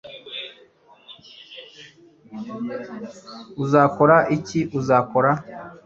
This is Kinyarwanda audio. Uzakora iki uzakura